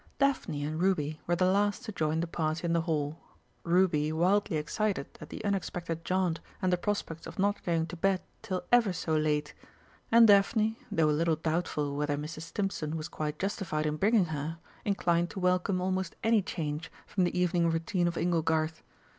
Daphne and Ruby were the last to join the party in the hall, Ruby wildly excited at the unexpected jaunt and the prospects of not going to bed till ever so late, and Daphne, though a little doubtful whether Mrs. Stimpson was quite justified in bringing her, inclined to welcome almost any change from the evening routine of "Inglegarth."